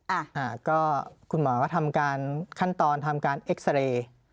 อ่าก็คุณหมอก็ทำการขั้นตอนทำการเอ็กซาเรย์